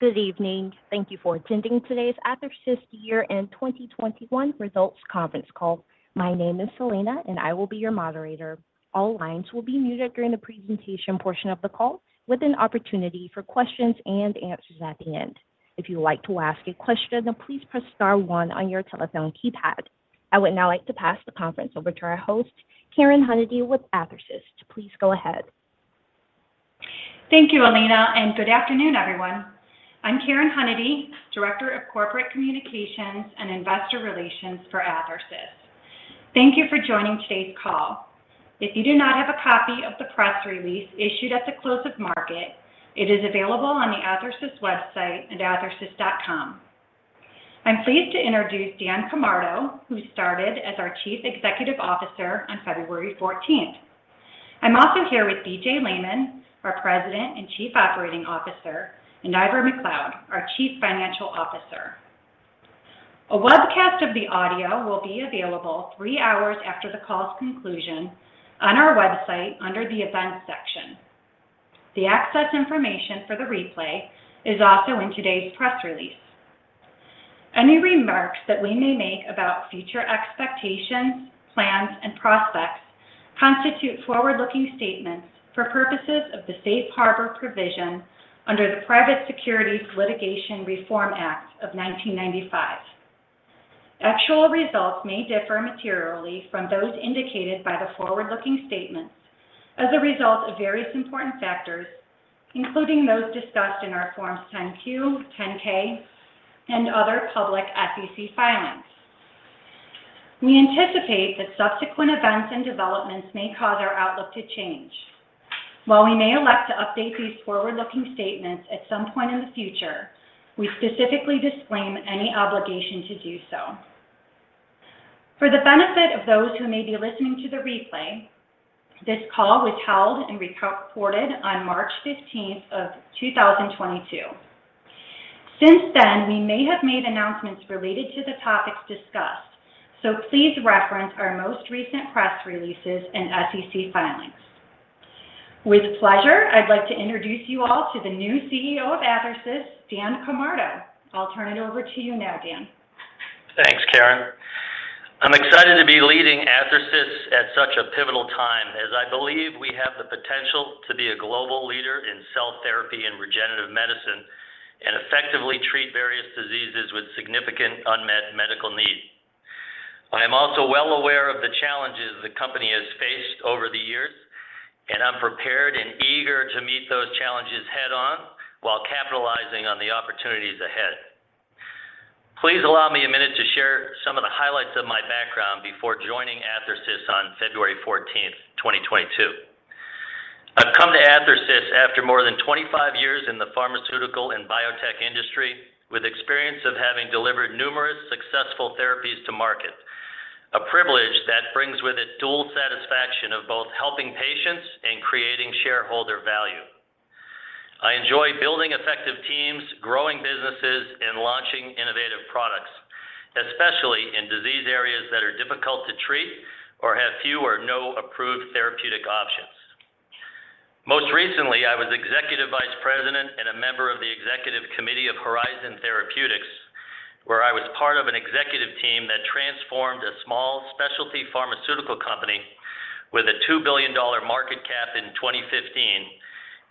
Good evening. Thank you for attending today's Athersys Year-End 2021 Results Conference Call. My name is Selena, and I will be your moderator. All lines will be muted during the presentation portion of the call, with an opportunity for questions and answers at the end. If you'd like to ask a question, please press star one on your telephone keypad. I would now like to pass the conference over to our host, Karen Hunady, with Athersys. Please go ahead. Thank you, Selena, and good afternoon, everyone. I'm Karen Hunady, Director of Corporate Communications and Investor Relations for Athersys. Thank you for joining today's call. If you do not have a copy of the press release issued at the close of market, it is available on the Athersys website at athersys.com. I'm pleased to introduce Dan Camardo, who started as our Chief Executive Officer on February fourteenth. I'm also here with B.J. Lehmann, our President and Chief Operating Officer, and Ivor Macleod, our Chief Financial Officer. A webcast of the audio will be available three hours after the call's conclusion on our website under the Events section. The access information for the replay is also in today's press release. Any remarks that we may make about future expectations, plans, and prospects constitute forward-looking statements for purposes of the Safe Harbor provision under the Private Securities Litigation Reform Act of 1995. Actual results may differ materially from those indicated by the forward-looking statements as a result of various important factors, including those discussed in our forms 10-Q, 10-K, and other public SEC filings. We anticipate that subsequent events and developments may cause our outlook to change. While we may elect to update these forward-looking statements at some point in the future, we specifically disclaim any obligation to do so. For the benefit of those who may be listening to the replay, this call was held and recorded on March fifteenth of 2022. Since then, we may have made announcements related to the topics discussed, so please reference our most recent press releases and SEC filings. With pleasure, I'd like to introduce you all to the new CEO of Athersys, Daniel A. Camardo. I'll turn it over to you now, Dan. Thanks, Karen. I'm excited to be leading Athersys at such a pivotal time as I believe we have the potential to be a global leader in cell therapy and regenerative medicine and effectively treat various diseases with significant unmet medical need. I am also well aware of the challenges the company has faced over the years, and I'm prepared and eager to meet those challenges head-on while capitalizing on the opportunities ahead. Please allow me a minute to share some of the highlights of my background before joining Athersys on February 14, 2022. I've come to Athersys after more than 25 years in the pharmaceutical and biotech industry with experience of having delivered numerous successful therapies to market, a privilege that brings with it dual satisfaction of both helping patients and creating shareholder value. I enjoy building effective teams, growing businesses, and launching innovative products, especially in disease areas that are difficult to treat or have few or no approved therapeutic options. Most recently, I was Executive Vice President and a member of the Executive Committee of Horizon Therapeutics, where I was part of an executive team that transformed a small specialty pharmaceutical company with a $2 billion market cap in 2015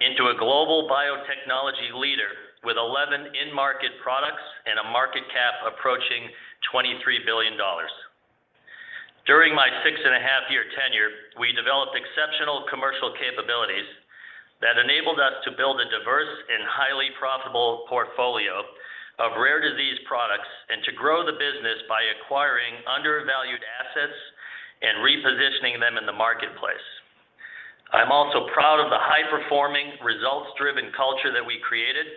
into a global biotechnology leader with 11 in-market products and a market cap approaching $23 billion. During my six and a half year tenure, we developed exceptional commercial capabilities that enabled us to build a diverse and highly profitable portfolio of rare disease products and to grow the business by acquiring undervalued assets and repositioning them in the marketplace. I'm also proud of the high-performing, results-driven culture that we created,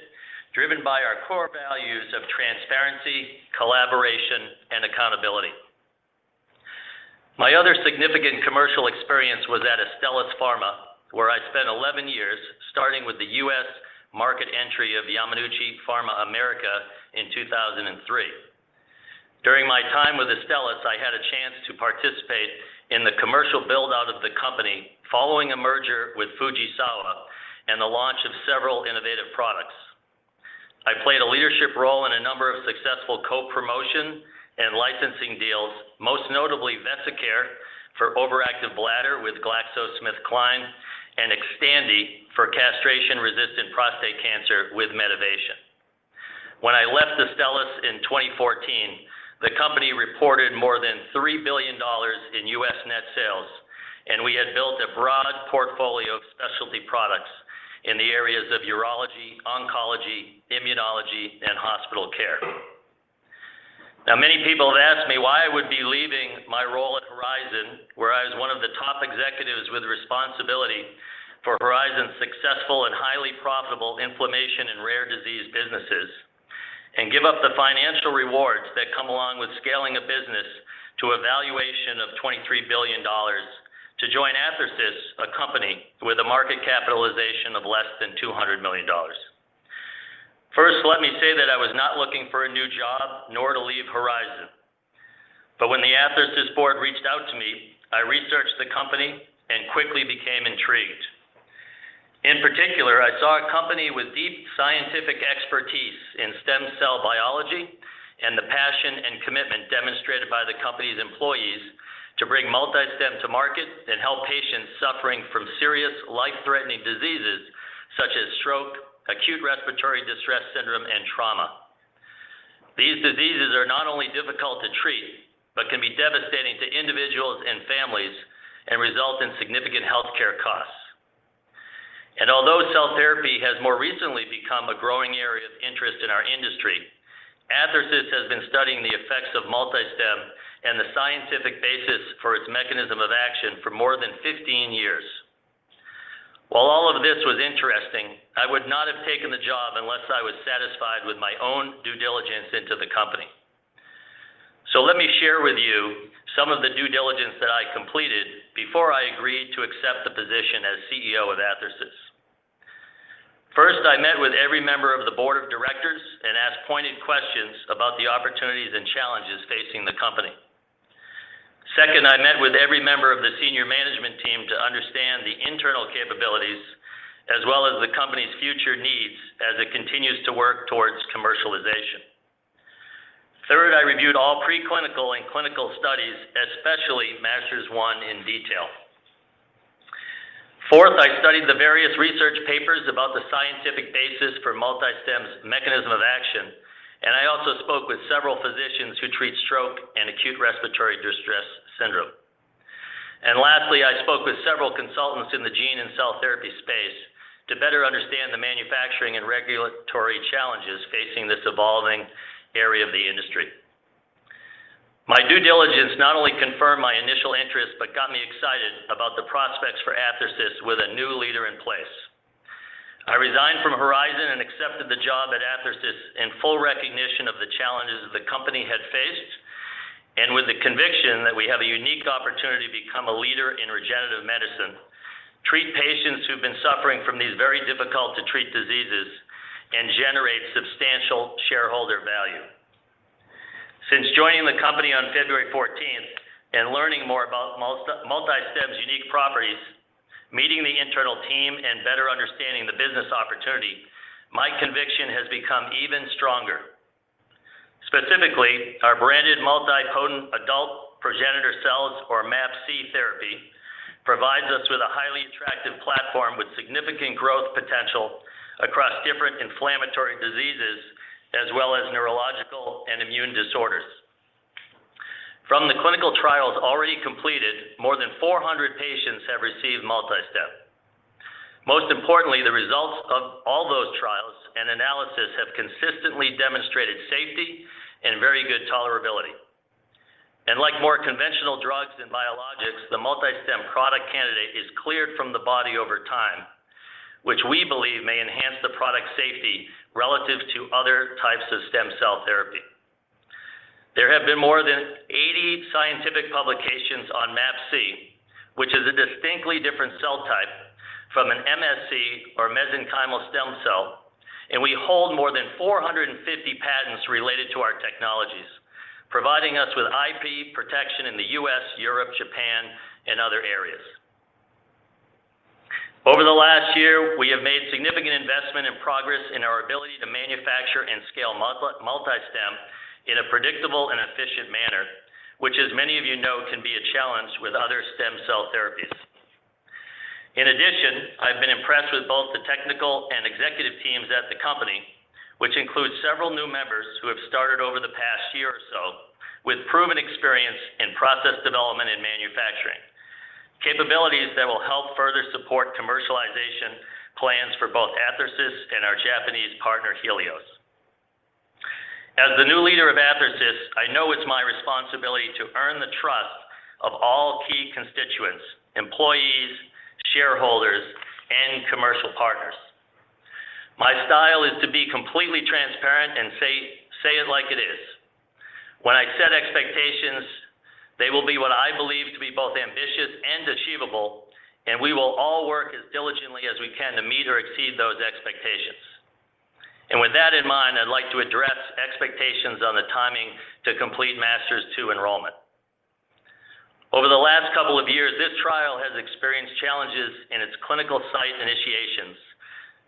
driven by our core values of transparency, collaboration, and accountability. My other significant commercial experience was at Astellas Pharma, where I spent 11 years starting with the U.S. market entry of Yamanouchi Pharma America, Inc. In 2003. During my time with Astellas, I had a chance to participate in the commercial build-out of the company following a merger with Fujisawa and the launch of several innovative products. I played a leadership role in a number of successful co-promotion and licensing deals, most notably Vesicare for overactive bladder with GlaxoSmithKline and Xtandi for castration-resistant prostate cancer with Medivation. When I left Astellas in 2014, the company reported more than $3 billion in U.S. net sales, and we had built a broad portfolio of specialty products in the areas of urology, oncology, immunology, and hospital care. Now, many people have asked me why I would be leaving my role at Horizon, where I was one of the top executives with responsibility for Horizon's successful and highly profitable inflammation and rare disease businesses, and give up the financial rewards that come along with scaling a business to a valuation of $23 billion to join Athersys, a company with a market capitalization of less than $200 million. First, let me say that I was not looking for a new job nor to leave Horizon. When the Athersys board reached out to me, I researched the company and quickly became intrigued. In particular, I saw a company with deep scientific expertise in stem cell biology and the passion and commitment demonstrated by the company's employees to bring MultiStem to market and help patients suffering from serious life-threatening diseases such as stroke, acute respiratory distress syndrome, and trauma. These diseases are not only difficult to treat, but can be devastating to individuals and families and result in significant healthcare costs. Although cell therapy has more recently become a growing area of interest in our industry, Athersys has been studying the effects of MultiStem and the scientific basis for its mechanism of action for more than 15 years. While all of this was interesting, I would not have taken the job unless I was satisfied with my own due diligence into the company. Let me share with you some of the due diligence that I completed before I agreed to accept the position as CEO of Athersys. First, I met with every member of the board of directors and asked pointed questions about the opportunities and challenges facing the company. Second, I met with every member of the senior management team to understand the internal capabilities as well as the company's future needs as it continues to work towards commercialization. Third, I reviewed all preclinical and clinical studies, especially MASTERS-1 in detail. Fourth, I studied the various research papers about the scientific basis for MultiStem's mechanism of action, and I also spoke with several physicians who treat stroke and acute respiratory distress syndrome. Lastly, I spoke with several consultants in the gene and cell therapy space to better understand the manufacturing and regulatory challenges facing this evolving area of the industry. My due diligence not only confirmed my initial interest, but got me excited about the prospects for Athersys with a new leader in place. I resigned from Horizon and accepted the job at Athersys in full recognition of the challenges the company had faced and with the conviction that we have a unique opportunity to become a leader in regenerative medicine, treat patients who've been suffering from these very difficult to treat diseases, and generate substantial shareholder value. Since joining the company on February fourteenth and learning more about MultiStem's unique properties, meeting the internal team, and better understanding the business opportunity, my conviction has become even stronger. Specifically, our branded multipotent adult progenitor cells or MAPC therapy provides us with a highly attractive platform with significant growth potential across different inflammatory diseases as well as neurological and immune disorders. From the clinical trials already completed, more than 400 patients have received MultiStem. Most importantly, the results of all those trials and analysis have consistently demonstrated safety and very good tolerability. Like more conventional drugs and biologics, the MultiStem product candidate is cleared from the body over time, which we believe may enhance the product safety relative to other types of stem cell therapy. There have been more than 80 scientific publications on MAPC, which is a distinctly different cell type from an MSC or mesenchymal stem cell, and we hold more than 450 patents related to our technologies, providing us with IP protection in the U.S., Europe, Japan, and other areas. Over the last year, we have made significant investment and progress in our ability to manufacture and scale MultiStem in a predictable and efficient manner, which as many of you know, can be a challenge with other stem cell therapies. In addition, I've been impressed with both the technical and executive teams at the company, which includes several new members who have started over the past year or so with proven experience in process development and manufacturing, capabilities that will help further support commercialization plans for both Athersys and our Japanese partner, Healios. As the new leader of Athersys, I know it's my responsibility to earn the trust of all key constituents, employees, shareholders, and commercial partners. My style is to be completely transparent and say it like it is. When I set expectations, they will be what I believe to be both ambitious and achievable, and we will all work as diligently as we can to meet or exceed those expectations. With that in mind, I'd like to address expectations on the timing to complete MASTERS-2 enrollment. Over the last couple of years, this trial has experienced challenges in its clinical site initiations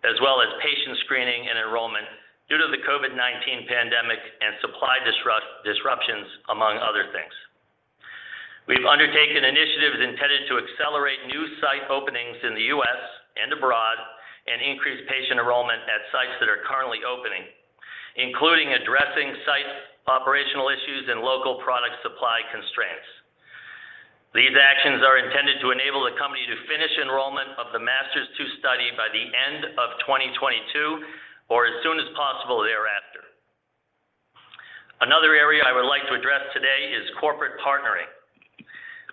as well as patient screening and enrollment due to the COVID-19 pandemic and supply disruptions, among other things. We've undertaken initiatives intended to accelerate new site openings in the U.S. and abroad and increase patient enrollment at sites that are currently opening, including addressing site operational issues and local product supply constraints. These actions are intended to enable the company to finish enrollment of the MASTERS-2 study by the end of 2022 or as soon as possible thereafter. Another area I would like to address today is corporate partnering.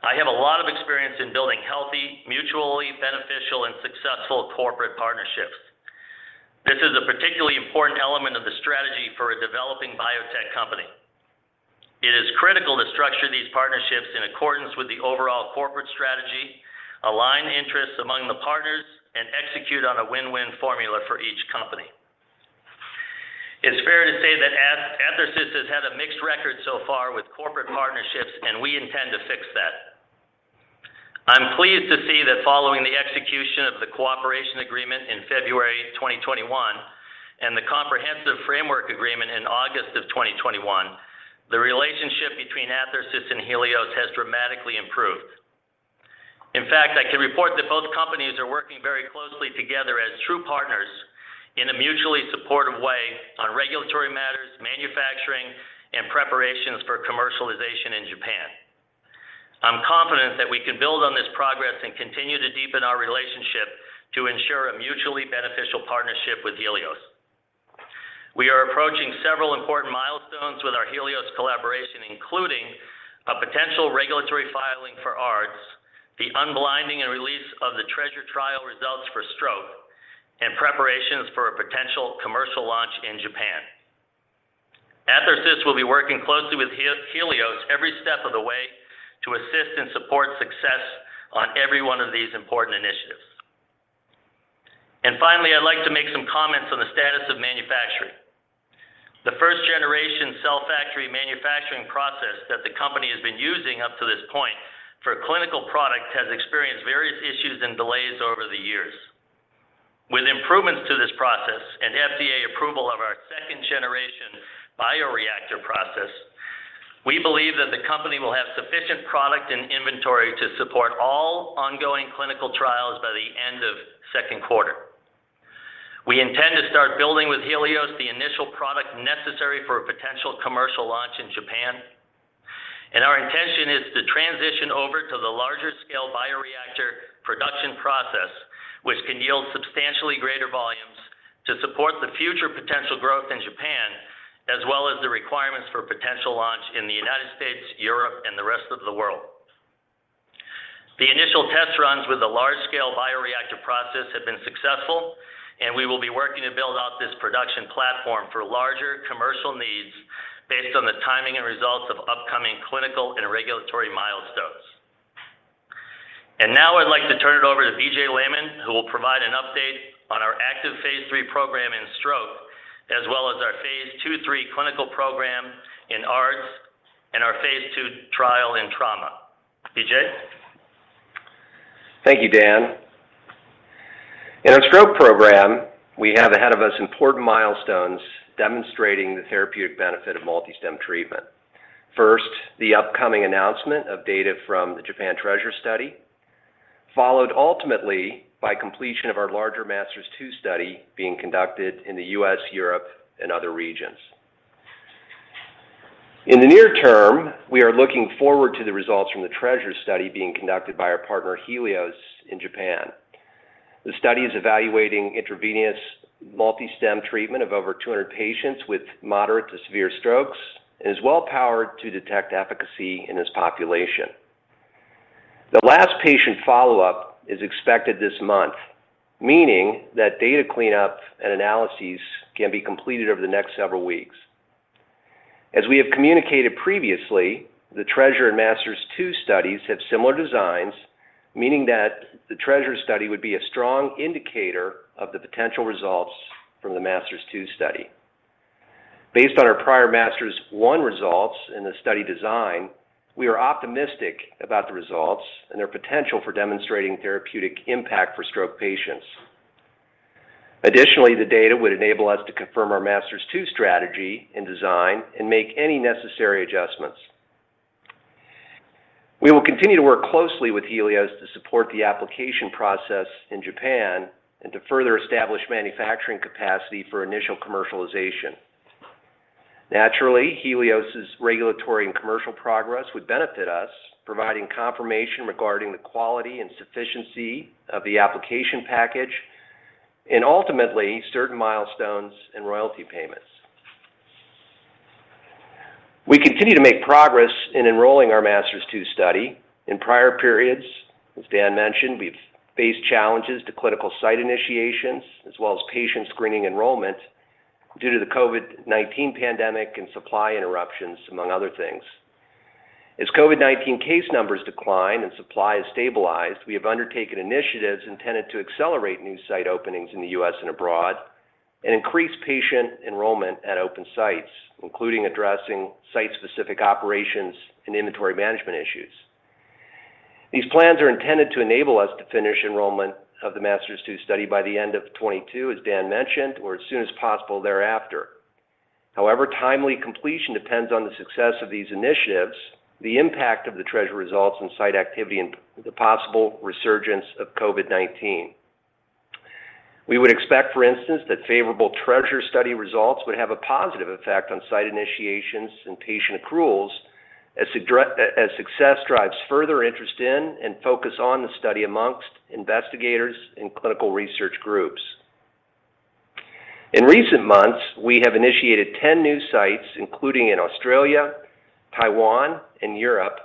I have a lot of experience in building healthy, mutually beneficial, and successful corporate partnerships. This is a particularly important element of the strategy for a developing biotech company. It is critical to structure these partnerships in accordance with the overall corporate strategy, align interests among the partners, and execute on a win-win formula for each company. It's fair to say that Athersys has had a mixed record so far with corporate partnerships, and we intend to fix that. I'm pleased to see that following the execution of the cooperation agreement in February 2021 and the comprehensive framework agreement in August of 2021, the relationship between Athersys and Healios has dramatically improved. In fact, I can report that both companies are working very closely together as true partners in a mutually supportive way on regulatory matters, manufacturing, and preparations for commercialization in Japan. I'm confident that we can build on this progress and continue to deepen our relationship to ensure a mutually beneficial partnership with Healios. We are approaching several important milestones with our Healios collaboration, including a potential regulatory filing for ARDS, the unblinding and release of the TREASURE trial results for stroke, and preparations for a potential commercial launch in Japan. Athersys will be working closely with Healios every step of the way to assist and support success on every one of these important initiatives. Finally, I'd like to make some comments on the status of manufacturing. The first-generation cell factory manufacturing process that the company has been using up to this point for clinical product has experienced various issues and delays over the years. With improvements to this process and FDA approval of our second-generation bioreactor process, we believe that the company will have sufficient product and inventory to support all ongoing clinical trials by the end of second quarter. We intend to start building with Healios the initial product necessary for a potential commercial launch in Japan. Our intention is to transition over to the larger-scale bioreactor production process, which can yield substantially greater volumes to support the future potential growth in Japan, as well as the requirements for potential launch in the United States, Europe, and the rest of the world. The initial test runs with the large-scale bioreactor process have been successful, and we will be working to build out this production platform for larger commercial needs based on the timing and results of upcoming clinical and regulatory milestones. Now I'd like to turn it over to B.J. Lehmann, who will provide an update on our active phase III program in stroke, as well as our phase II-III clinical program in ARDS and our phase II trial in trauma. B.J.? Thank you, Dan. In our stroke program, we have ahead of us important milestones demonstrating the therapeutic benefit of MultiStem treatment. First, the upcoming announcement of data from the Japan TREASURE study, followed ultimately by completion of our larger MASTERS-2 study being conducted in the U.S., Europe, and other regions. In the near term, we are looking forward to the results from the TREASURE study being conducted by our partner Healios in Japan. The study is evaluating intravenous MultiStem treatment of over 200 patients with moderate to severe strokes and is well-powered to detect efficacy in this population. The last patient follow-up is expected this month, meaning that data cleanup and analyses can be completed over the next several weeks. As we have communicated previously, the TREASURE and MASTERS-2 studies have similar designs, meaning that the TREASURE study would be a strong indicator of the potential results from the MASTERS-2 study. Based on our prior MASTERS-1 results and the study design, we are optimistic about the results and their potential for demonstrating therapeutic impact for stroke patients. Additionally, the data would enable us to confirm our MASTERS-2 strategy and design and make any necessary adjustments. We will continue to work closely with Healios to support the application process in Japan and to further establish manufacturing capacity for initial commercialization. Naturally, Healios' regulatory and commercial progress would benefit us, providing confirmation regarding the quality and sufficiency of the application package and ultimately certain milestones and royalty payments. We continue to make progress in enrolling our MASTERS-2 study. In prior periods, as Dan mentioned, we've faced challenges to clinical site initiations as well as patient screening enrollment due to the COVID-19 pandemic and supply interruptions, among other things. As COVID-19 case numbers decline and supply is stabilized, we have undertaken initiatives intended to accelerate new site openings in the U.S. and abroad and increase patient enrollment at open sites, including addressing site-specific operations and inventory management issues. These plans are intended to enable us to finish enrollment of the MASTERS-2 study by the end of 2022, as Dan mentioned, or as soon as possible thereafter. However, timely completion depends on the success of these initiatives, the impact of the TREASURE results on site activity, and the possible resurgence of COVID-19. We would expect, for instance, that favorable TREASURE study results would have a positive effect on site initiations and patient accruals as success drives further interest in and focus on the study amongst investigators and clinical research groups. In recent months, we have initiated 10 new sites, including in Australia, Taiwan, and Europe,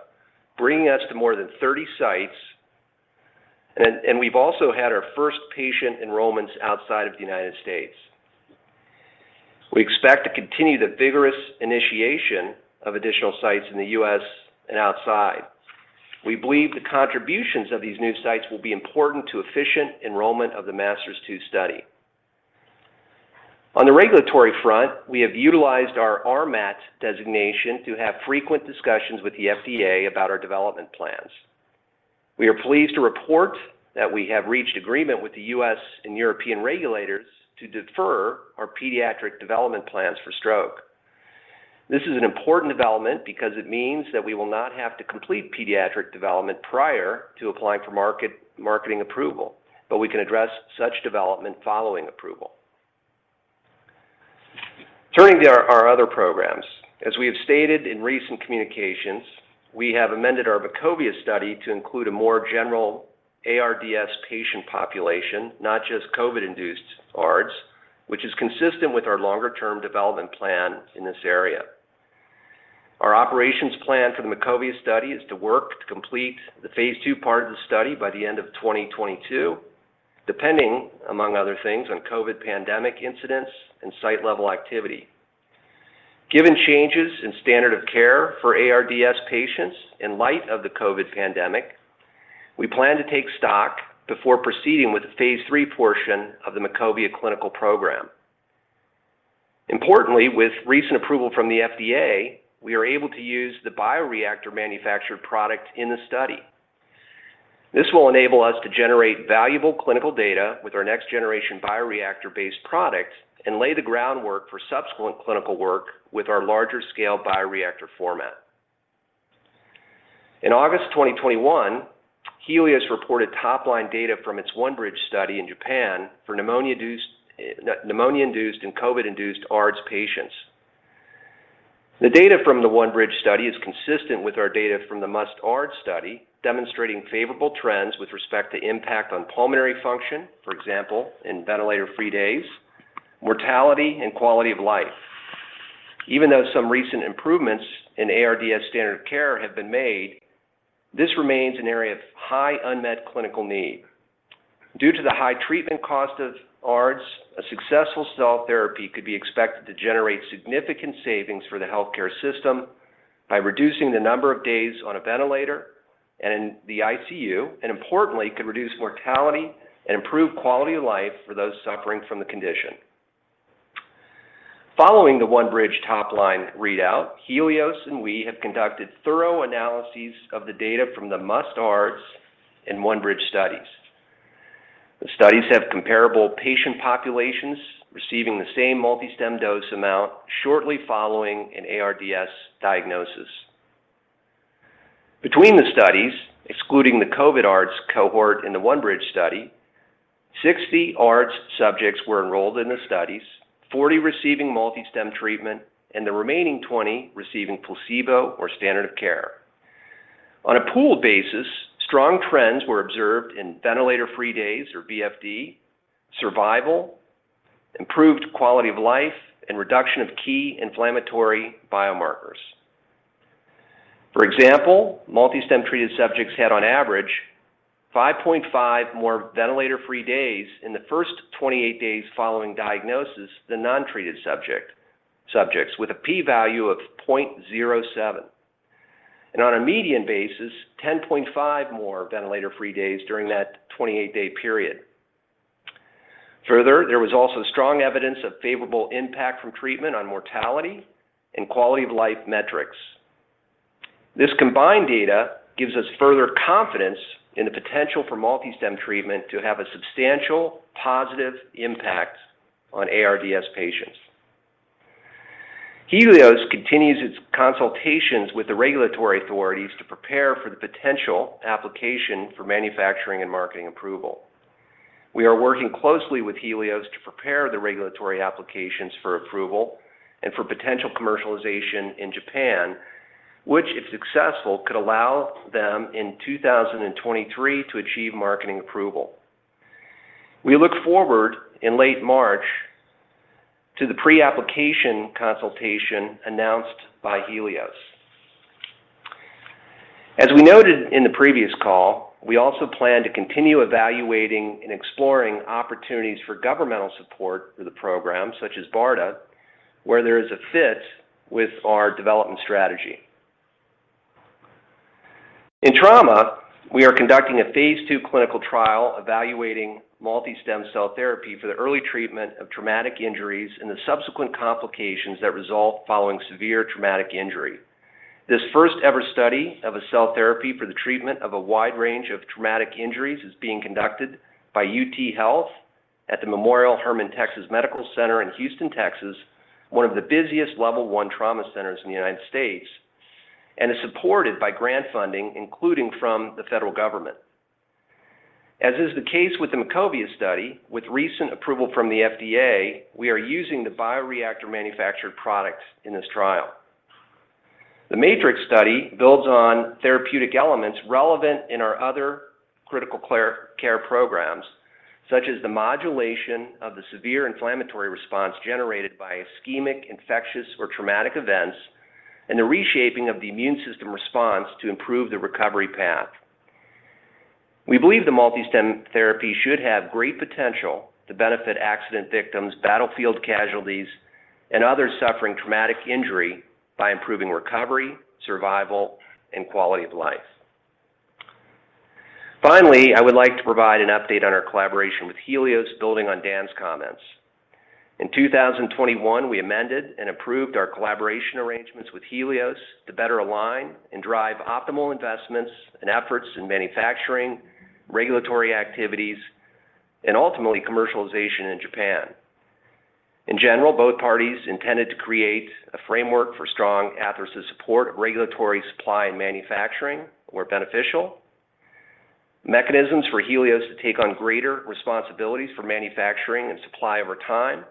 bringing us to more than 30 sites, and we've also had our first patient enrollments outside of the United States. We expect to continue the vigorous initiation of additional sites in the U.S. and outside. We believe the contributions of these new sites will be important to efficient enrollment of the MASTERS-2 study. On the regulatory front, we have utilized our RMAT designation to have frequent discussions with the FDA about our development plans. We are pleased to report that we have reached agreement with the U.S. and European regulators to defer our pediatric development plans for stroke. This is an important development because it means that we will not have to complete pediatric development prior to applying for marketing approval, but we can address such development following approval. Turning to our other programs, as we have stated in recent communications, we have amended our MACOVIA study to include a more general ARDS patient population, not just COVID-induced ARDS, which is consistent with our longer-term development plan in this area. Our operations plan for the MACOVIA study is to work to complete the phase II part of the study by the end of 2022, depending, among other things, on COVID pandemic incidents and site-level activity. Given changes in standard of care for ARDS patients in light of the COVID pandemic, we plan to take stock before proceeding with the phase III portion of the MACOVIA clinical program. Importantly, with recent approval from the FDA, we are able to use the bioreactor manufactured product in the study. This will enable us to generate valuable clinical data with our next generation bioreactor-based product and lay the groundwork for subsequent clinical work with our larger scale bioreactor format. In August 2021, Healios reported top-line data from its ONE-BRIDGE study in Japan for pneumonia-induced and COVID-induced ARDS patients. The data from the ONE-BRIDGE study is consistent with our data from the MUST-ARDS study, demonstrating favorable trends with respect to impact on pulmonary function, for example, in ventilator-free days, mortality, and quality of life. Even though some recent improvements in ARDS standard of care have been made, this remains an area of high unmet clinical need. Due to the high treatment cost of ARDS, a successful cell therapy could be expected to generate significant savings for the healthcare system by reducing the number of days on a ventilator and in the ICU, and importantly could reduce mortality and improve quality of life for those suffering from the condition. Following the ONE-BRIDGE top-line readout, Healios and we have conducted thorough analyses of the data from the MUST-ARDS and ONE-BRIDGE studies. The studies have comparable patient populations receiving the same MultiStem dose amount shortly following an ARDS diagnosis. Between the studies, excluding the COVID ARDS cohort in the ONE-BRIDGE study, 60 ARDS subjects were enrolled in the studies, 40 receiving MultiStem treatment and the remaining 20 receiving placebo or standard of care. On a pooled basis, strong trends were observed in ventilator-free days or VFD, survival, improved quality of life, and reduction of key inflammatory biomarkers. For example, MultiStem-treated subjects had on average 5.5 more ventilator-free days in the first 28 days following diagnosis than non-treated subjects, with a p-value of 0.07, and on a median basis, 10.5 more ventilator-free days during that 28-day period. Further, there was also strong evidence of favorable impact from treatment on mortality and quality-of-life metrics. This combined data gives us further confidence in the potential for MultiStem treatment to have a substantial positive impact on ARDS patients. Healios continues its consultations with the regulatory authorities to prepare for the potential application for manufacturing and marketing approval. We are working closely with Healios to prepare the regulatory applications for approval and for potential commercialization in Japan, which, if successful, could allow them in 2023 to achieve marketing approval. We look forward in late March to the pre-application consultation announced by Healios. As we noted in the previous call, we also plan to continue evaluating and exploring opportunities for governmental support for the program such as BARDA, where there is a fit with our development strategy. In trauma, we are conducting a phase II clinical trial evaluating MultiStem cell therapy for the early treatment of traumatic injuries and the subsequent complications that result following severe traumatic injury. This first-ever study of a cell therapy for the treatment of a wide range of traumatic injuries is being conducted by UTHealth Houston at the Memorial Hermann-Texas Medical Center in Houston, Texas, one of the busiest level one trauma centers in the United States, and is supported by grant funding, including from the federal government. As is the case with the MACOVIA study, with recent approval from the FDA, we are using the bioreactor manufactured products in this trial. The MACOVIA study builds on therapeutic elements relevant in our other critical care programs, such as the modulation of the severe inflammatory response generated by ischemic, infectious or traumatic events, and the reshaping of the immune system response to improve the recovery path. We believe the MultiStem therapy should have great potential to benefit accident victims, battlefield casualties, and others suffering traumatic injury by improving recovery, survival, and quality of life. Finally, I would like to provide an update on our collaboration with Healios, building on Dan's comments. In 2021, we amended and approved our collaboration arrangements with Healios to better align and drive optimal investments and efforts in manufacturing, regulatory activities, and ultimately commercialization in Japan. In general, both parties intended to create a framework for strong Athersys support of regulatory supply and manufacturing where beneficial, mechanisms for Healios to take on greater responsibilities for manufacturing and supply over time,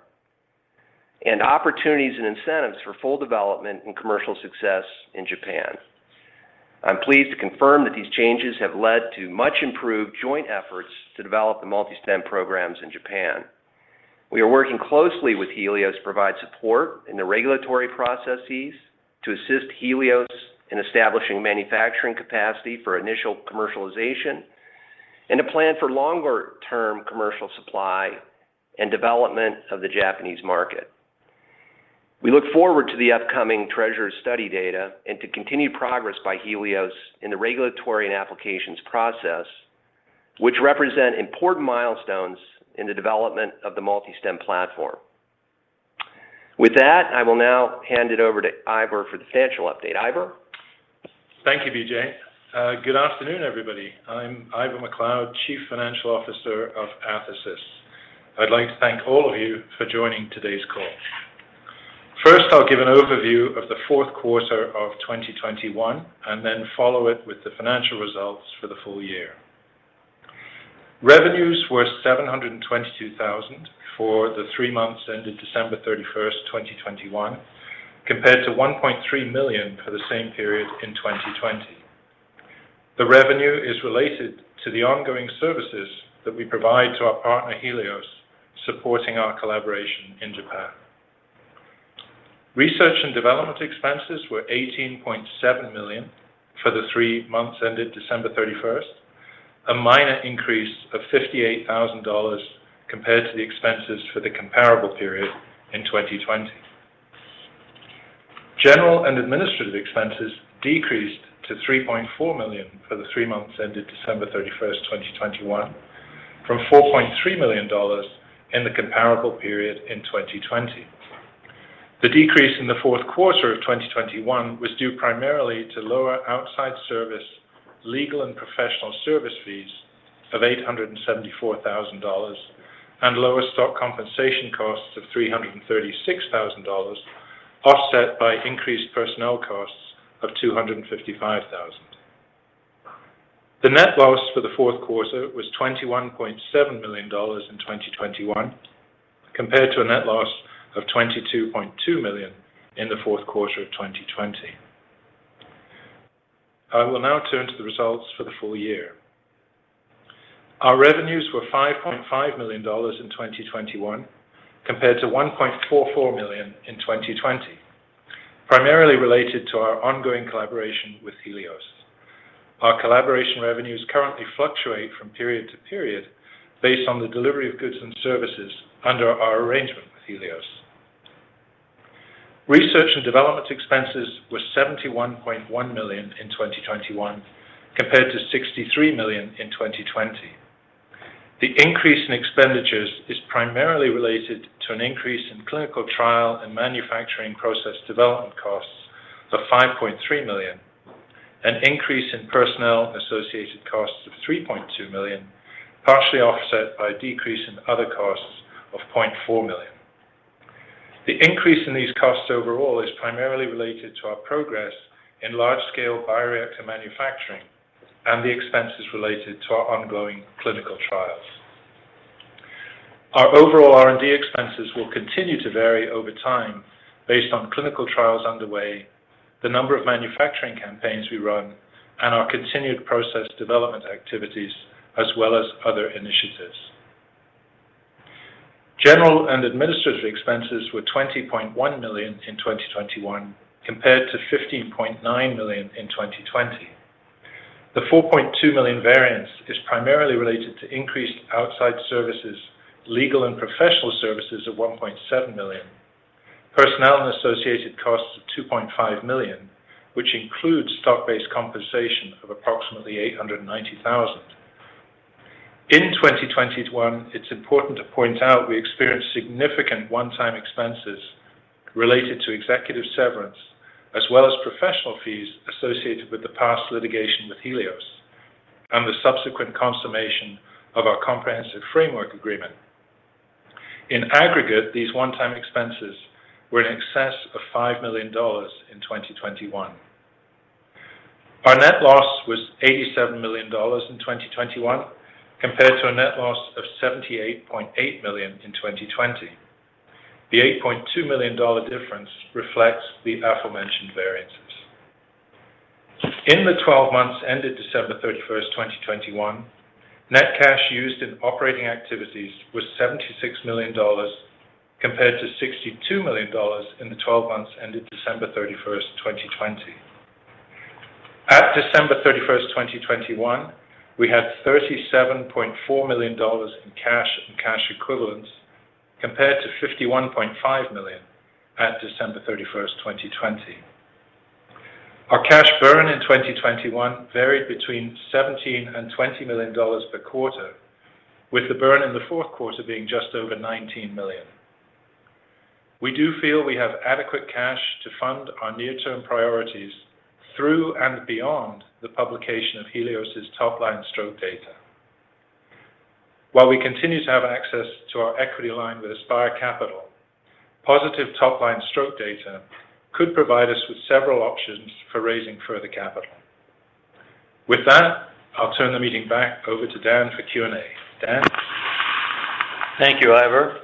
and opportunities and incentives for full development and commercial success in Japan. I'm pleased to confirm that these changes have led to much improved joint efforts to develop the MultiStem programs in Japan. We are working closely with Healios to provide support in the regulatory processes to assist Healios in establishing manufacturing capacity for initial commercialization and to plan for longer term commercial supply and development of the Japanese market. We look forward to the upcoming TREASURE study data and to continued progress by Healios in the regulatory and applications process, which represent important milestones in the development of the MultiStem platform. With that, I will now hand it over to Ivor for the financial update. Ivor. Thank you, BJ. Good afternoon, everybody. I'm Ivor Macleod, Chief Financial Officer of Athersys. I'd like to thank all of you for joining today's call. First, I'll give an overview of the fourth quarter of 2021 and then follow it with the financial results for the full year. Revenues were $722,000 for the three months ended December 31, 2021, compared to $1.3 million for the same period in 2020. The revenue is related to the ongoing services that we provide to our partner, Healios, supporting our collaboration in Japan. Research and development expenses were $18.7 million for the three months ended December 31, a minor increase of $58,000 compared to the expenses for the comparable period in 2020. General and administrative expenses decreased to $3.4 million for the three months ended December 31, 2021, from $4.3 million in the comparable period in 2020. The decrease in the fourth quarter of 2021 was due primarily to lower outside service, legal and professional service fees of $874,000 and lower stock compensation costs of $336,000, offset by increased personnel costs of $255,000. The net loss for the fourth quarter was $21.7 million in 2021, compared to a net loss of $22.2 million in the fourth quarter of 2020. I will now turn to the results for the full year. Our revenues were $5.5 million in 2021 compared to $1.44 million in 2020, primarily related to our ongoing collaboration with Healios. Our collaboration revenues currently fluctuate from period to period based on the delivery of goods and services under our arrangement with Healios. Research and development expenses were $71.1 million in 2021 compared to $63 million in 2020. The increase in expenditures is primarily related to an increase in clinical trial and manufacturing process development costs of $5.3 million, an increase in personnel-associated costs of $3.2 million, partially offset by a decrease in other costs of $0.4 million. The increase in these costs overall is primarily related to our progress in large-scale bioreactor manufacturing and the expenses related to our ongoing clinical trials. Our overall R&D expenses will continue to vary over time based on clinical trials underway, the number of manufacturing campaigns we run, and our continued process development activities, as well as other initiatives. General and administrative expenses were $20.1 million in 2021 compared to $15.9 million in 2020. The $4.2 million variance is primarily related to increased outside services, legal and professional services of $1.7 million, personnel and associated costs of $2.5 million, which includes stock-based compensation of approximately $890,000. In 2021, it's important to point out we experienced significant one-time expenses related to executive severance, as well as professional fees associated with the past litigation with Healios and the subsequent consummation of our comprehensive framework agreement. In aggregate, these one-time expenses were in excess of $5 million in 2021. Our net loss was $87 million in 2021 compared to a net loss of $78.8 million in 2020. The $8.2 million difference reflects the aforementioned variances. In the twelve months ended December 31, 2021, net cash used in operating activities was $76 million compared to $62 million in the twelve months ended December 31, 2020. At December 31, 2021, we had $37.4 million in cash and cash equivalents compared to $51.5 million at December 31, 2020. Our cash burn in 2021 varied between $17 million-$20 million per quarter, with the burn in the fourth quarter being just over $19 million. We do feel we have adequate cash to fund our near-term priorities through and beyond the publication of Healios's top-line stroke data. While we continue to have access to our equity line with Aspire Capital, positive top-line stroke data could provide us with several options for raising further capital. With that, I'll turn the meeting back over to Dan for Q&A. Dan? Thank you, Ivor.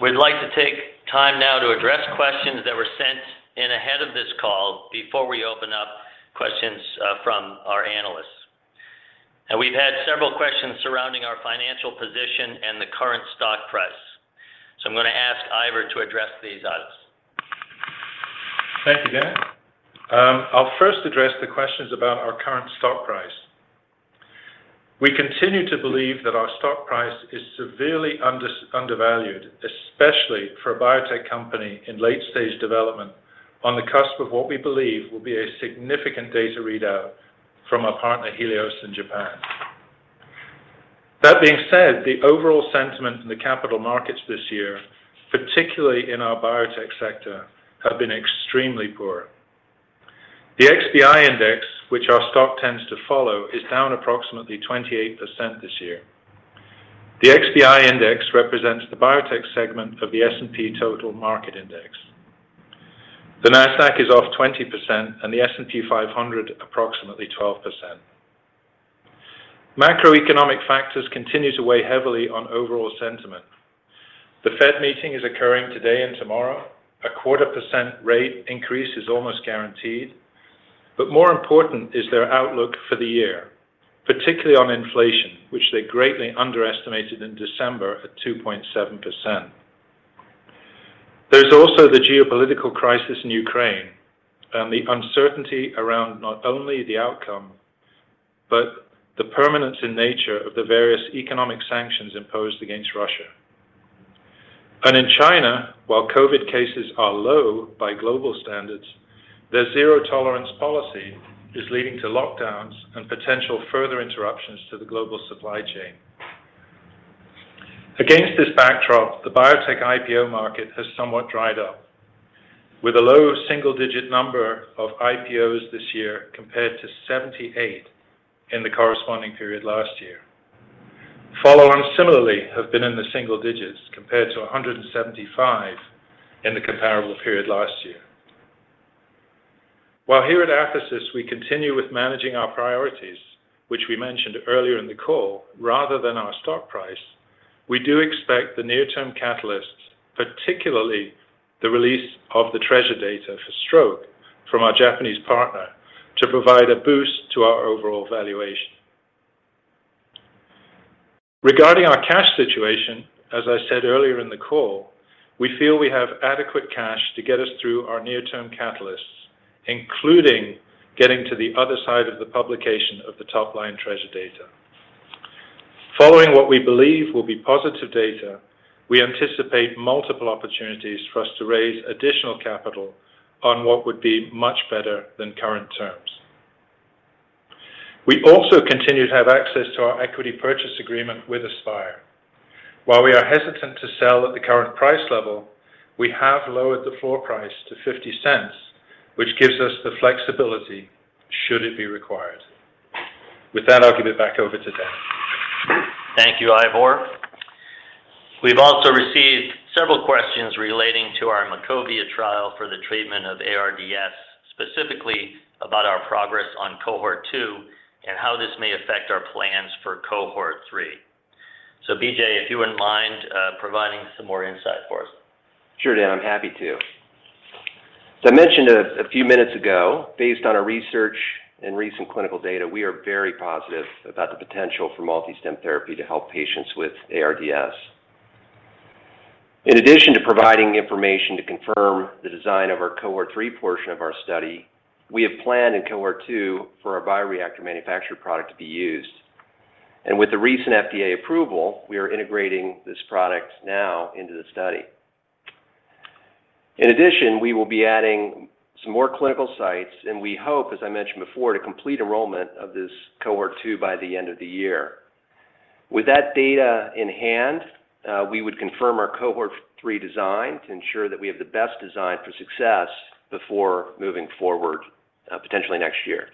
We'd like to take time now to address questions that were sent in ahead of this call before we open up questions from our analysts. We've had several questions surrounding our financial position and the current stock price. I'm gonna ask Ivor to address these items. Thank you, Dan. I'll first address the questions about our current stock price. We continue to believe that our stock price is severely undervalued, especially for a biotech company in late stage development on the cusp of what we believe will be a significant data readout from our partner, Healios in Japan. That being said, the overall sentiment in the capital markets this year, particularly in our biotech sector, have been extremely poor. The XBI index, which our stock tends to follow, is down approximately 28% this year. The XBI index represents the biotech segment of the S&P total market index. The Nasdaq is off 20% and the S&P 500 approximately 12%. Macroeconomic factors continue to weigh heavily on overall sentiment. The Fed meeting is occurring today and tomorrow. A quarter percent rate increase is almost guaranteed. More important is their outlook for the year, particularly on inflation, which they greatly underestimated in December at 2.7%. There's also the geopolitical crisis in Ukraine and the uncertainty around not only the outcome, but the permanence and nature of the various economic sanctions imposed against Russia. And in China, while COVID cases are low by global standards, their zero-tolerance policy is leading to lockdowns and potential further interruptions to the global supply chain. Against this backdrop, the biotech IPO market has somewhat dried up with a low single-digit number of IPOs this year compared to 78 in the corresponding period last year. Follow-ons similarly have been in the single digits compared to 175 in the comparable period last year. While here at Athersys we continue with managing our priorities, which we mentioned earlier in the call, rather than our stock price, we do expect the near-term catalysts, particularly the release of the TREASURE data for stroke from our Japanese partner, to provide a boost to our overall valuation. Regarding our cash situation, as I said earlier in the call, we feel we have adequate cash to get us through our near-term catalysts, including getting to the other side of the publication of the top-line TREASURE data. Following what we believe will be positive data, we anticipate multiple opportunities for us to raise additional capital on what would be much better than current terms. We also continue to have access to our equity purchase agreement with Aspire. While we are hesitant to sell at the current price level, we have lowered the floor price to $0.50, which gives us the flexibility should it be required. With that, I'll give it back over to Dan. Thank you, Ivor. We've also received several questions relating to our MACOVIA trial for the treatment of ARDS, specifically about our progress on cohort two and how this may affect our plans for cohort three. B.J., if you wouldn't mind, providing some more insight for us. Sure, Dan. I'm happy to. As I mentioned a few minutes ago, based on our research and recent clinical data, we are very positive about the potential for MultiStem therapy to help patients with ARDS. In addition to providing information to confirm the design of our cohort 3 portion of our study, we have planned in cohort 2 for our bioreactor manufactured product to be used. With the recent FDA approval, we are integrating this product now into the study. In addition, we will be adding some more clinical sites, and we hope, as I mentioned before, to complete enrollment of this cohort 2 by the end of the year. With that data in hand, we would confirm our cohort 3 design to ensure that we have the best design for success before moving forward, potentially next year.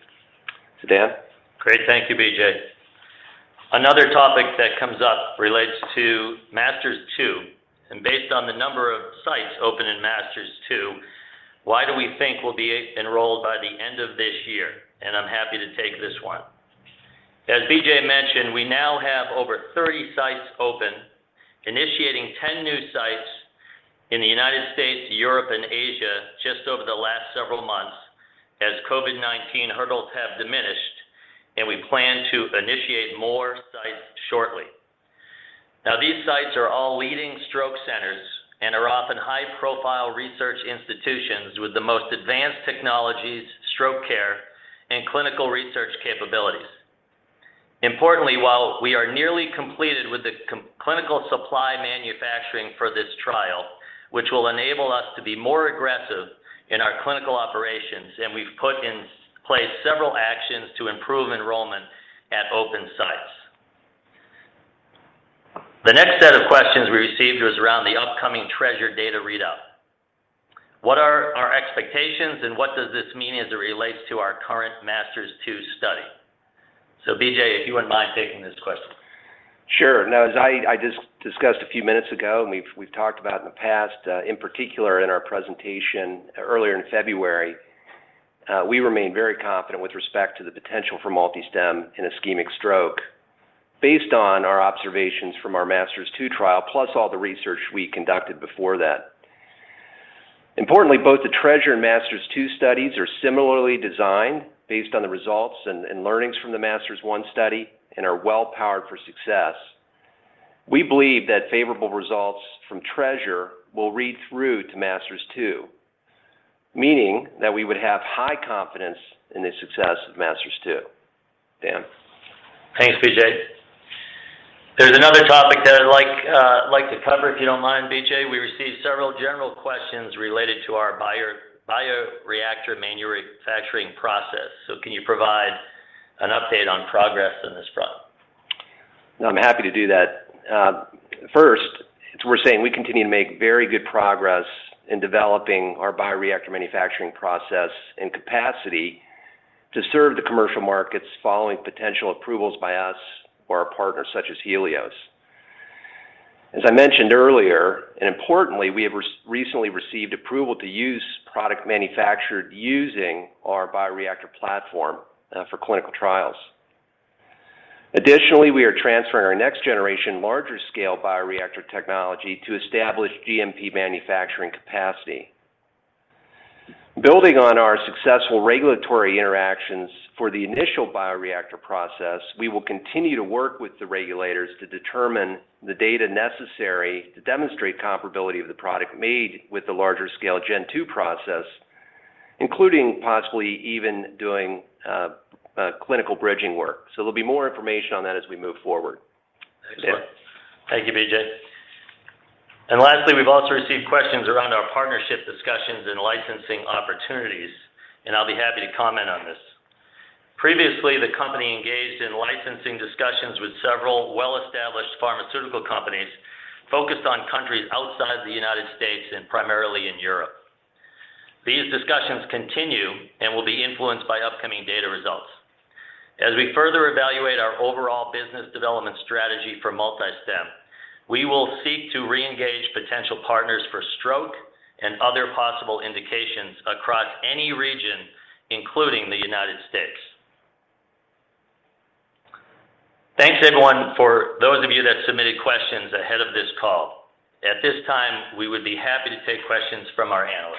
Dan? Great. Thank you, BJ. Another topic that comes up relates to MASTERS-2, and based on the number of sites open in MASTERS-2, why do we think we'll be enrolled by the end of this year? I'm happy to take this one. As BJ mentioned, we now have over 30 sites open, initiating 10 new sites in the United States, Europe, and Asia just over the last several months as COVID-19 hurdles have diminished. We plan to initiate more sites shortly. Now, these sites are all leading stroke centers and are often high-profile research institutions with the most advanced technologies, stroke care, and clinical research capabilities. Importantly, while we are nearly completed with the clinical supply manufacturing for this trial, which will enable us to be more aggressive in our clinical operations, and we've put in place several actions to improve enrollment at open sites. The next set of questions we received was around the upcoming TREASURE data readout. What are our expectations and what does this mean as it relates to our current MASTERS-2 study? BJ, if you wouldn't mind taking this question. Sure. Now, as I just discussed a few minutes ago, and we've talked about in the past, in particular in our presentation earlier in February, we remain very confident with respect to the potential for MultiStem in ischemic stroke based on our observations from our MASTERS-2 trial, plus all the research we conducted before that. Importantly, both the TREASURE and MASTERS-2 studies are similarly designed based on the results and learnings from the MASTERS-1 study and are well powered for success. We believe that favorable results from TREASURE will read through to MASTERS-2, meaning that we would have high confidence in the success of MASTERS-2. Dan. Thanks, B.J. There's another topic that I'd like to cover, if you don't mind, B.J. We received several general questions related to our bioreactor manufacturing process. Can you provide an update on progress on this front? I'm happy to do that. First, as we're saying, we continue to make very good progress in developing our bioreactor manufacturing process and capacity to serve the commercial markets following potential approvals by us or our partners such as Healios. As I mentioned earlier, and importantly, we have recently received approval to use product manufactured using our bioreactor platform for clinical trials. Additionally, we are transferring our next generation larger scale bioreactor technology to establish GMP manufacturing capacity. Building on our successful regulatory interactions for the initial bioreactor process, we will continue to work with the regulators to determine the data necessary to demonstrate comparability of the product made with the larger scale gen two process, including possibly even doing clinical bridging work. There'll be more information on that as we move forward. Dan. Excellent. Thank you, BJ. Lastly, we've also received questions around our partnership discussions and licensing opportunities, and I'll be happy to comment on this. Previously, the company engaged in licensing discussions with several well-established pharmaceutical companies focused on countries outside the United States and primarily in Europe. These discussions continue and will be influenced by upcoming data results. As we further evaluate our overall business development strategy for MultiStem, we will seek to reengage potential partners for stroke and other possible indications across any region, including the United States. Thanks everyone, for those of you that submitted questions ahead of this call. At this time, we would be happy to take questions from our analysts.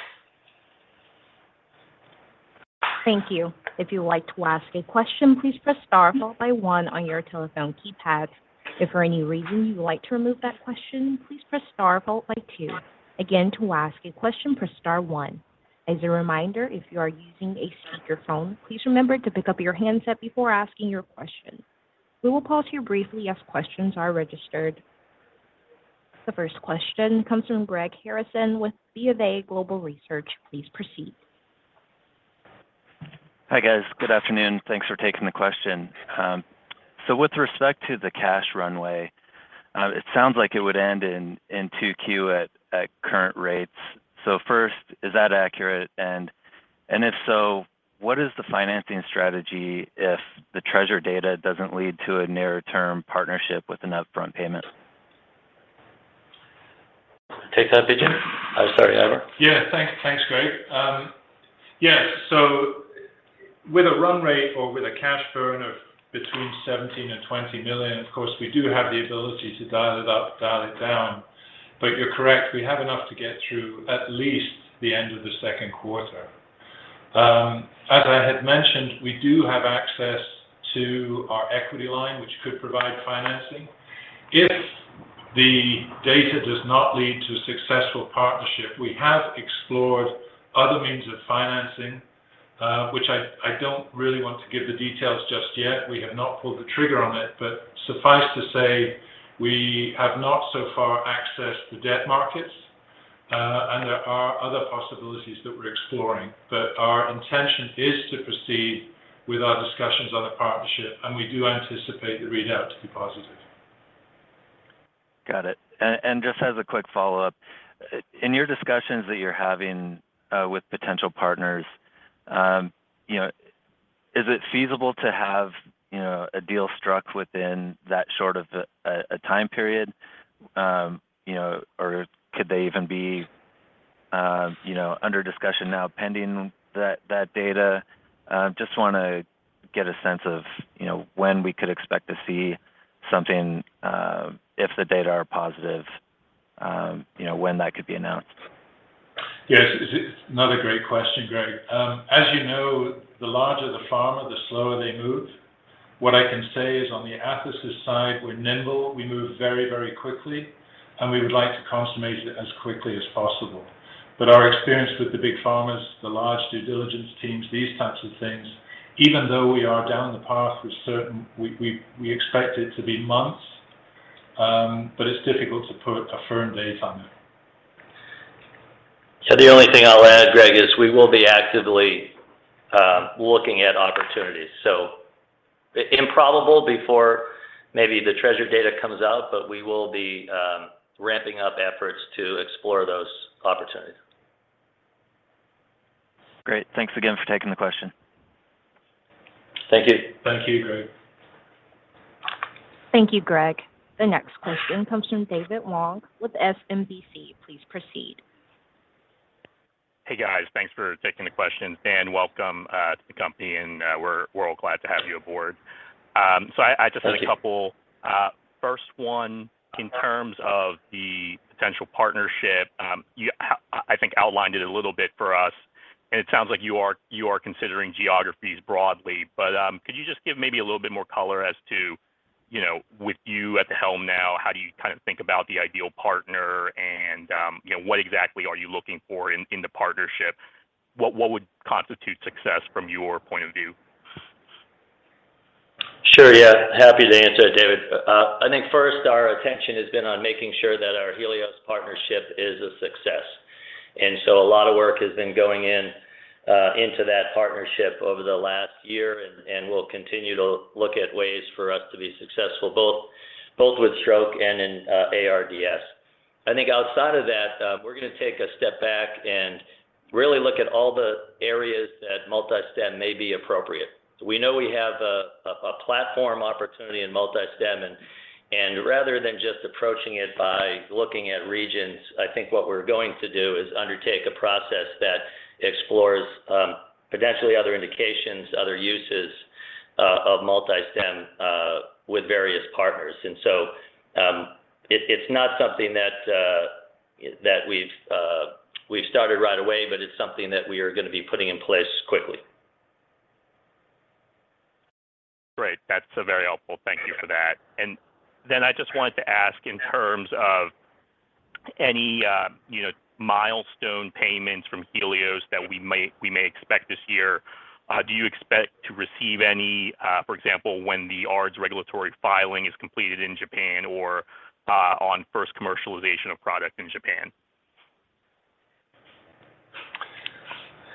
Thank you. If you'd like to ask a question, please press star followed by one on your telephone keypad. If for any reason you'd like to remove that question, please press star followed by two. Again, to ask a question, press star one. As a reminder, if you are using a speakerphone, please remember to pick up your handset before asking your question. We will pause here briefly as questions are registered. The first question comes from Greg Harrison with BofA Global Research. Please proceed. Hi, guys. Good afternoon. Thanks for taking the question. With respect to the cash runway, it sounds like it would end in 2Q at current rates. First, is that accurate? And if so, what is the financing strategy if the TREASURE data doesn't lead to a near term partnership with an upfront payment? Take that, B.J. Lehmann? Oh, sorry, Ivor Macleod. Thanks. Thanks, Greg. With a run rate or with a cash burn of between $17 million-$20 million, of course, we do have the ability to dial it up, dial it down. But you're correct, we have enough to get through at least the end of the second quarter. As I had mentioned, we do have access to our equity line, which could provide financing. If the data does not lead to a successful partnership, we have explored other means of financing, which I don't really want to give the details just yet. We have not pulled the trigger on it. But suffice to say, we have not so far accessed the debt markets, and there are other possibilities that we're exploring. Our intention is to proceed with our discussions on a partnership, and we do anticipate the readout to be positive. Got it. Just as a quick follow-up, in your discussions that you're having with potential partners, you know, is it feasible to have, you know, a deal struck within that short of a time period? You know, or could they even be, you know, under discussion now pending that data? Just want to get a sense of, you know, when we could expect to see something if the data are positive, you know, when that could be announced. Yes, it's another great question, Greg. As you know, the larger the pharma, the slower they move. What I can say is on the Athersys side, we're nimble, we move very, very quickly, and we would like to consummate it as quickly as possible. Our experience with the big pharmas, the large due diligence teams, these types of things, even though we are down the path with certain, we expect it to be months, but it's difficult to put a firm date on it. The only thing I'll add, Greg, is we will be actively looking at opportunities. It's improbable before maybe the TREASURE data comes out, but we will be ramping up efforts to explore those opportunities. Great. Thanks again for taking the question. Thank you. Thank you, Greg. Thank you, Greg. The Next question comes from David Wong with SMBC. Please proceed. Hey, guys. Thanks for taking the question. Dan, welcome to the company, and we're all glad to have you aboard. I just- Thank you.... have a couple. First one in terms of the potential partnership, I think you outlined it a little bit for us, and it sounds like you are considering geographies broadly. Could you just give maybe a little bit more color as to, you know, with you at the helm now, how do you kind of think about the ideal partner and, you know, what exactly are you looking for in the partnership? What would constitute success from your point of view? Sure, yeah. Happy to answer it, David. I think first our attention has been on making sure that our Healios partnership is a success. A lot of work has been going in into that partnership over the last year and we'll continue to look at ways for us to be successful both with stroke and in ARDS. I think outside of that, we're gonna take a step back and really look at all the areas that MultiStem may be appropriate. We know we have a platform opportunity in MultiStem and rather than just approaching it by looking at regions, I think what we're going to do is undertake a process that explores potentially other indications, other uses of MultiStem with various partners. It's not something that we've started right away, but it's something that we are gonna be putting in place quickly. Great. That's very helpful. Thank you for that. I just wanted to ask in terms of any, you know, milestone payments from Healios that we may expect this year, do you expect to receive any, for example, when the ARDS regulatory filing is completed in Japan or on first commercialization of product in Japan?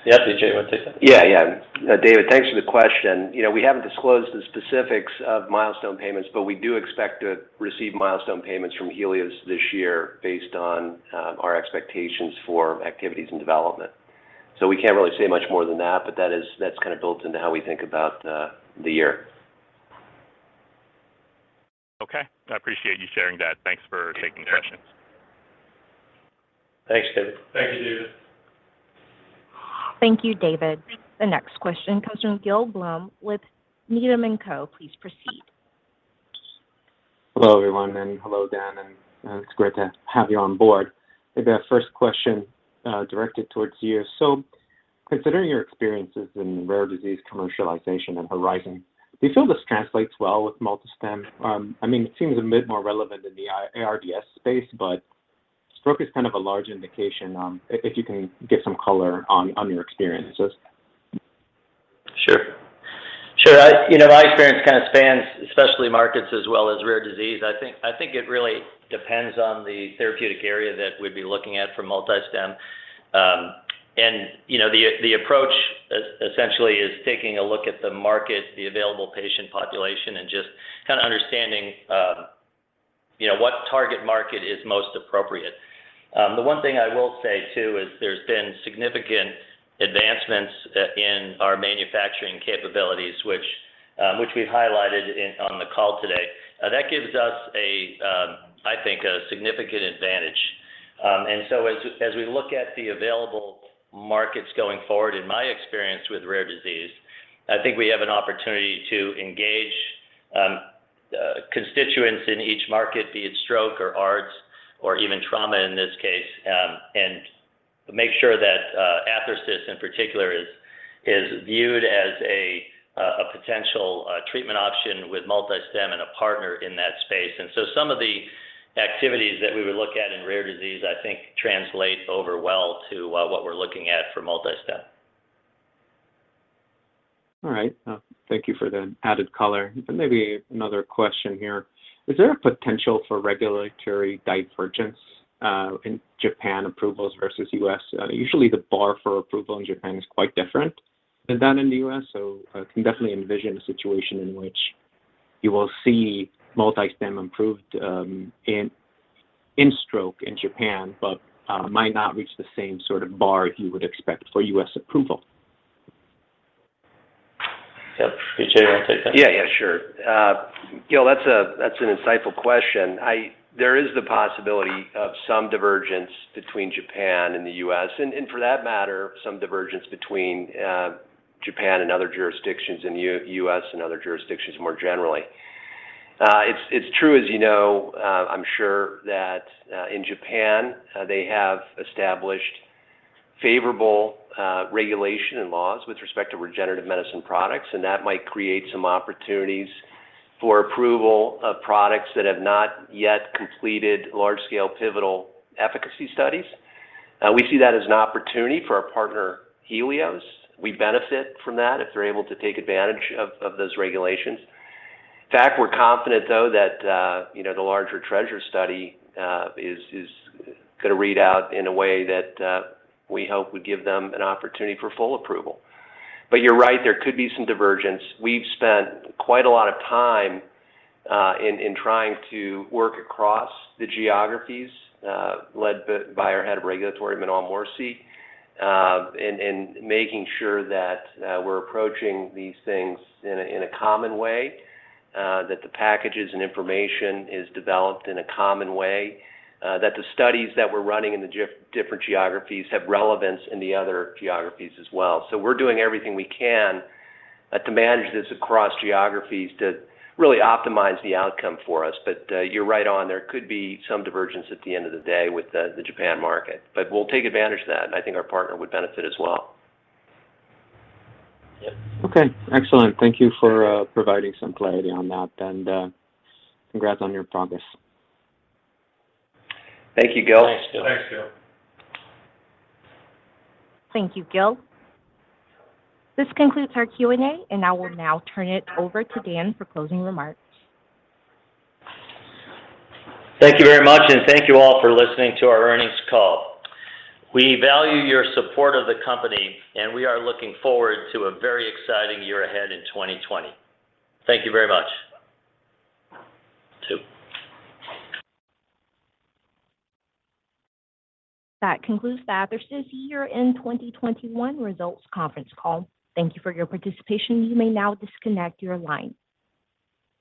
Yeah. PJ, you wanna take that? Yeah, yeah. David, thanks for the question. You know, we haven't disclosed the specifics of milestone payments, but we do expect to receive milestone payments from Healios this year based on our expectations for activities and development. We can't really say much more than that, but that is, that's kind of built into how we think about the year. Okay. I appreciate you sharing that. Thanks for taking the questions. Thanks, David. Thank you, David. Thank you, David. The next question comes from Gil Blum with Needham & Company. Please proceed. Hello, everyone, and hello, Dan, and it's great to have you on board. Maybe a first question directed towards you. Considering your experiences in rare disease commercialization and Horizon, do you feel this translates well with MultiStem? I mean, it seems a bit more relevant in the ARDS space, but stroke is kind of a large indication, if you can give some color on your experiences. Sure. You know, my experience kind of spans specialty markets as well as rare disease. I think it really depends on the therapeutic area that we'd be looking at for MultiStem. The approach essentially is taking a look at the market, the available patient population, and just kind of understanding what target market is most appropriate. The one thing I will say too is there's been significant advancements in our manufacturing capabilities which we've highlighted on the call today. That gives us, I think, a significant advantage. As we look at the available markets going forward, in my experience with rare disease, I think we have an opportunity to engage constituents in each market, be it stroke or ARDS or even trauma in this case, and make sure that Athersys in particular is viewed as a potential treatment option with MultiStem and a partner in that space. Some of the activities that we would look at in rare disease, I think translate over well to what we're looking at for MultiStem. All right. Thank you for the added color. Maybe another question here. Is there a potential for regulatory divergence in Japan approvals versus U.S.? Usually the bar for approval in Japan is quite different than that in the U.S. I can definitely envision a situation in which you will see MultiStem approved in stroke in Japan, but might not reach the same sort of bar you would expect for U.S. approval. Yep. PJ, you wanna take that? Yeah. Yeah, sure. Gil, that's an insightful question. There is the possibility of some divergence between Japan and the U.S., and for that matter, some divergence between Japan and other jurisdictions, and U.S. and other jurisdictions more generally. It's true, as you know, I'm sure that in Japan they have established favorable regulation and laws with respect to regenerative medicine products, and that might create some opportunities for approval of products that have not yet completed large-scale pivotal efficacy studies. We see that as an opportunity for our partner, Healios. We benefit from that if they're able to take advantage of those regulations. In fact, we're confident though that you know, the larger TREASURE study is gonna read out in a way that we hope would give them an opportunity for full approval. You're right, there could be some divergence. We've spent quite a lot of time in trying to work across the geographies, led by our Head of Regulatory, Manal Morsy, in making sure that we're approaching these things in a common way, that the packages and information is developed in a common way, that the studies that we're running in the different geographies have relevance in the other geographies as well. We're doing everything we can to manage this across geographies to really optimize the outcome for us. You're right on, there could be some divergence at the end of the day with the Japan market. We'll take advantage of that, and I think our partner would benefit as well. Okay. Excellent. Thank you for providing some clarity on that, and congrats on your progress. Thank you, Gil. Thanks, Gil. Thank you, Gil. This concludes our Q&A, and I will now turn it over to Dan for closing remarks. Thank you very much, and thank you all for listening to our earnings call. We value your support of the company, and we are looking forward to a very exciting year ahead in 2020. Thank you very much. You too. That concludes Athersys's year-end 2021 results conference call. Thank you for your participation. You may now disconnect your line.